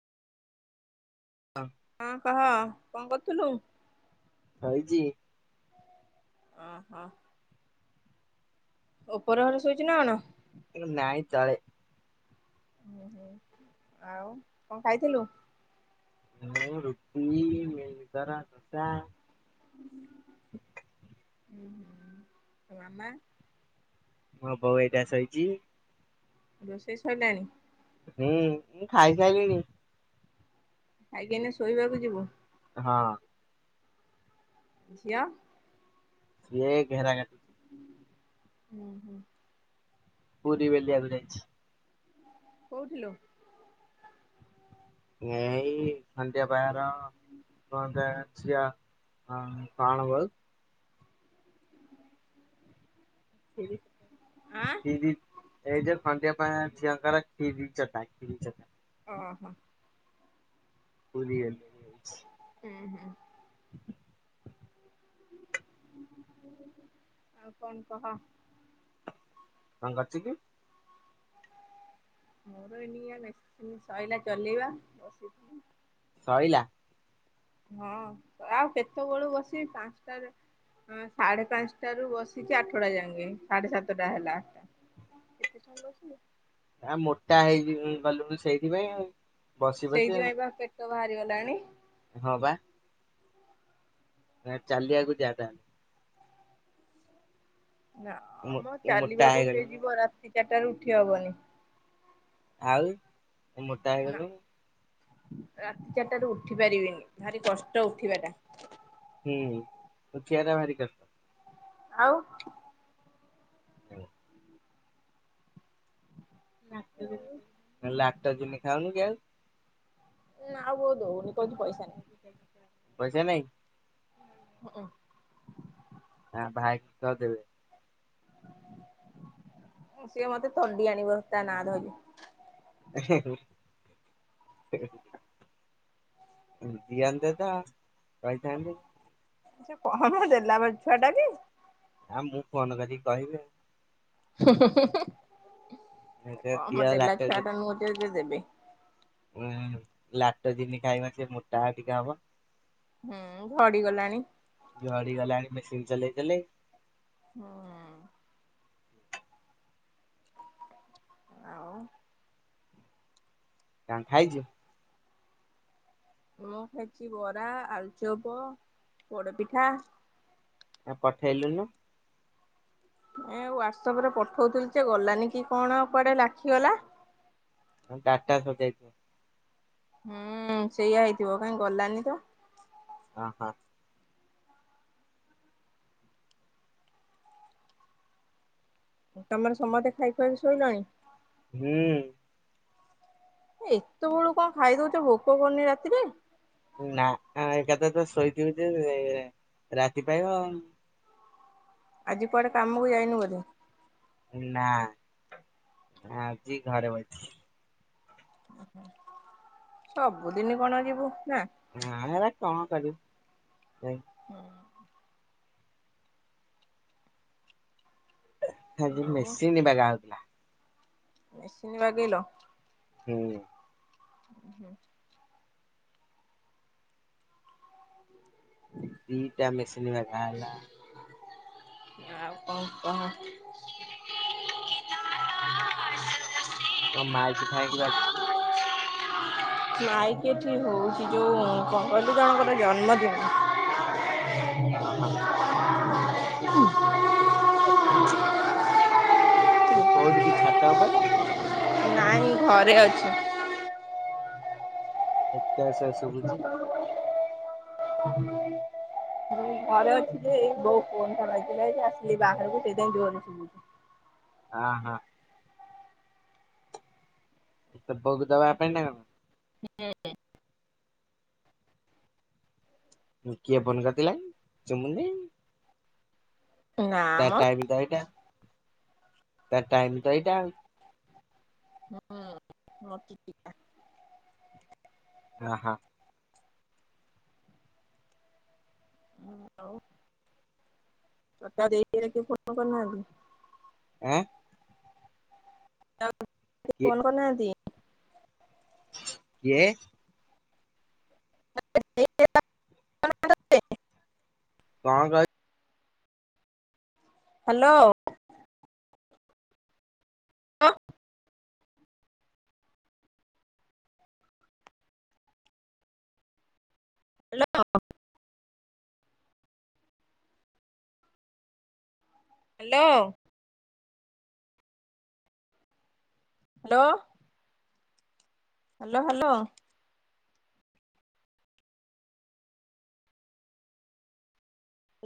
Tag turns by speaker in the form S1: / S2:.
S1: ହ
S2: ହଁ କହ କଣ କରୁଥିଲୁ?
S1: ବଇଚି।
S2: ଓହୋ। ଉପର ଘରେ ଶୋଇଚୁ ନା କଣ।
S1: ନାଇଁ ଚଳେ।
S2: ହୁଁ ହୁଁ ଆଉ କଣ ଖାଇଥିଲୁ?
S1: ମୁଁ ରୁଟି ମିଳିମିକର ଦୋସା।
S2: ହୁଁ ହୁଁ ମାମା।
S1: ମୋ ବୋଉ ଏଇଟା ଶୋଇଚି।
S2: ରୋଷେଇ ସଇଲାଣି?
S1: ହୁଁ ମୁଁ ଖାଇସାଇଲିଣି।
S2: ଖାଇକି ଆଇନେ ଶୋଇବାକୁ ଯିବୁ।
S1: ହଁ।
S2: ଝିଅ?
S1: ସିଏ ଘେରା ଘେ
S2: ହୁଁ ହୁଁ।
S1: ପୁରୀ ବେଲିଆକୁ ଯାଇଛି।
S2: କୋଉଠି ଲୋ?
S1: ଏଇ ସନ୍ଧ୍ୟା ବାର ପଗା ଝିଅ କଣ କଣ ବୋଉ? ହାଲୋ।
S2: ଆଁ
S1: କିରି ଏଇ ଯୋଉ ଖଣ୍ଡି ଅପା ଝିଅଙ୍କର କ୍ଷୀରି ଚଟା କ୍ଷୀରି ଚଟା।
S2: ଓହୋ।
S1: ପୁରୀ ବେଲିଅ।
S2: ହୁଁ ହୁଁ। ଆଉ କଣ କହ?
S1: କଣ କରୁଚୁ କି?
S2: ମୋର ଏନିଆ ମେସିନ ସଇଲା ଚଲେଇବା ବସିିଚି।
S1: ସଇଲା?
S2: ହଁ ଆଉ କେତେବେଳୁ ବସିମି ପାଞ୍ଚଟାରେ ଆ ସାଢ଼େ ପାଞ୍ଚଟାରୁୁ ବସିଚି ଆଠଟା ଯାଙ୍କେ ସାଢ଼େ ସାତଟା ହେଲା। ଏତେ ସାଙ୍ଗ ଅଛନ୍ତି।
S1: ଆ ମୋଟା ହେଇଜିଲୁ ଗଲୁଣି ସେଇଥିପାଇଁ ଆଉ। ବସି ବସି ଆଉ
S2: ସେଇଥିପାଇଁ ପା ପେଟ ବାହାରି ଗଲାଣି।
S1: ହଁ ପା। ଆ ଚାଲିବାକୁ ଯା ତାହାଲେ। ମୋ
S2: ନାଆଁମ
S1: ମୋଟା
S2: ଚାଲିବାକୁ କିଏ
S1: ହେଇଗଲୁଣୁ
S2: ଯିବ ରାତି ଚାରିଟାରୁ ଉଠି ହବନି।
S1: ଆଉ ତୁ ମୋଟା
S2: ନା
S1: ହେଇଗଲୁଣି।
S2: ରାତି ଚାରିଟାରୁ ଉଠି ପାରିବିନି ଭାରି କଷ୍ଟ ଉଠିବାଟା।
S1: ହୁଁ ଉଠିବାଟା ଭାରି କଷ୍ଟ।
S2: ଆଉ।
S1: ଅଁ ଲାକ୍ଟୋଜିନି ଲାକ୍ଟୋଜିନି ଖାଉନି କି ଆଉ?
S2: ନା ଆଉ ବୋଉ ଦୋଉ
S1: ପଇସା ନାଇଁ?
S2: ହଁ।
S1: ହଁ ଭାଇ କି କହ ଦେବେ।
S2: ସିଏ ମତେ ତଡ଼ି ଆଣିବ ତା ନାଆଁ ଧଇଲେ।
S1: ହେହେ ହେହେ ଦିଅନ୍ତେ ତ କହିଥାନ୍ତେ।
S2: ସେ କମ ଦେଲା ବେଲା ଛୁଆଟା କି।
S1: ଆ ମୁଁ ଫୋନ କରିକି କହିବି।
S2: ହୁଁହୁଁହୁଁ, ସେ
S1: ଆଉ ଦିଅ
S2: କମ ଦେଲା
S1: ଲାକ୍ଟୋଜିନି
S2: ଛୁଆଟା ନୁହଁ ଯେ ଦେବେ।
S1: ଉଁ ଲାକ୍ଟୋଜିନ ଖାଉନ ସେ ମୋଟା ଟିକେ ହବ।
S2: ହୁଁ ଝଡି ଗଲାଣି।
S1: ଝଡି ଗଲାଣି ମେସିନ୍ ଚଲେଇ ଚଲେଇ।
S2: ହୁଁ। ଆଉ
S1: କଣ ଖାଇଛୁ?
S2: ମୁଁ ଖାଇଛି ବରା, ଆଳୁଚପ, ପୋଡପିଠା।
S1: ଆଉ ପଠେଇଲୁନୁ?
S2: ଏ ହ୍ଵାଟ୍ସଆପରେ ପଠଉଥିଲି ଯେ ଗଲାନି କି କଣ କୁଆଡେ ଲାଖିଗଲା।
S1: ତମ ଡାଟା ସରିଯାଇଥିବ।
S2: ହୁଁ-ଉଁ-ଉଁ ସେଇଆ ହେଇଥିବ କାଇଁ ଗଲାନି ତ।
S1: ହଁ-ହଁ।
S2: ତମର ସମସ୍ତେ ଖାଇ ଖୁଆକି ଶୋଇଲଣି।
S1: ହୁଁ।
S2: ଏତେ ବେଳୁ କଣ ଖାଇଦଉଚ ଭୋକ କରୁନି ରାତିରେ?
S1: ନା, ଏକାଥରେ ତ ଶୋଇଥିବୁ ଯେ ରାତି ପାହିବ ଆଉ।
S2: ଆଜି କୁଆଡ଼େ କାମକୁ ଯାଇନୁ ବୋଧେ।
S1: ନା, ଆଜି ଘରେ ବଇଚି।
S2: ହୁଁହୁଁ, ସବୁଦିନ କଣ ଯିବୁ, ନା?
S1: ନା ସେରା କଣ କରିବୁ, ଯାଇକି।
S2: ହୁଁ।
S1: ଆଜି
S2: ଆଉ
S1: ମେସିନ୍ ବାଗା ହଉଥିଲା।
S2: ମେସିିନ ବାଗେଇଲ?
S1: ହୁଁ।
S2: ହୁଁ ହୁଁ।
S1: ଏଇ ଦିଇଟା ମେସିନ ବାଗାହେଲା।
S2: ଆଉ କଣ କହ। [inaudible]
S1: କଣ ମାଇକି ଫାଇକି ବାଜୁଛି?
S2: ମାଇକି ଏଠି ହଉଛି ଯୋଉ କଣ କହିଲୁ ଜଣଙ୍କର ଜନ୍ମଦିନ।
S1: ଓହୋଃ।
S2: [unintelligible]
S1: ତୁ କୋଉଠି କି ଛାତ ଉପରେ?
S2: ନାଇଁ ମୁଁ ଘରେ ଅଛି।
S1: ଏତେ ସୋର୍ ଶୁଭୁଛି।
S2: ମୁଁ ଘରେ ଥିଲି ବୋଉ ଫୋନଟା ବାଜିଲା ଯେ ଆସିଲି ବାହାରକୁ ସେଇଥିପାଇଁ ଜୋରରେ ଶୁଭୁଛି।
S1: ହଁ ହଁ। ତୋ ବୋଉକୁ ଦବା ପାଇଁ ନା କଣ?
S2: [inaudible]
S1: ମୁଁ କିଏ ଫୋନ କରିଥିଲା କି [inaudible]
S2: ନା
S1: ତା
S2: ମ
S1: ଟାଇମ୍ ତ ଏଇଟା। ତା ଟାଇମ ତ ଏଇଟା।
S2: ହୁଁ [unintelligible]
S1: ହଁ ହଁ।
S2: ହ ଆଉ ତତେ ଆଉ ଦେଇ ହେରିକା କିଏ ଫୋନ କରିନାହାଁନ୍ତି?
S1: ଆଁ।
S2: [inaudible]
S1: କିଏ
S2: ଫୋନ କରିନାହାନ୍ତି?
S1: କିଏ?
S2: [inaudible]
S1: କଣ କଇ
S2: ହ୍ୟାଲୋ। ଅଁ। Hello. Hello. Hello. Hello hello.